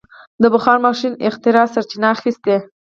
د بخار ماشین اختراع سرچینه اخیسته.